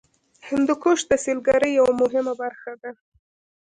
هندوکش د سیلګرۍ یوه مهمه برخه ده.